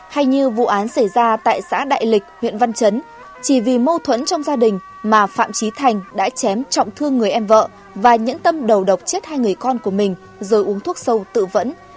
hay như vụ án xảy ra tại xã đại lịch huyện văn chấn chỉ vì mâu thuẫn trong gia đình mà phạm trí thành đã chém trọng thương người em vợ và nhẫn tâm đầu độc chết hai người con của mình rồi uống thuốc sâu tự vẫn